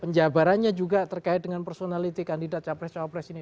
penjabarannya juga terkait dengan personality kandidat capres capres ini